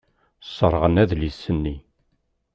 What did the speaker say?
Sserɣen adlis-nni.